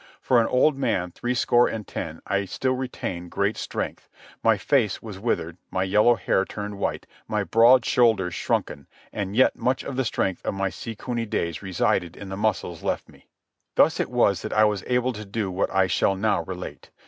For an old man, three score and ten, I still retained great strength. My face was withered, my yellow hair turned white, my broad shoulders shrunken, and yet much of the strength of my sea cuny days resided in the muscles left me. Thus it was that I was able to do what I shall now relate.